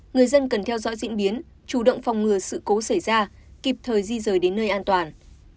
người dân cần theo dõi diễn biến chủ động phòng ngừa sự cố xảy ra kịp thời di rời đến nơi an toàn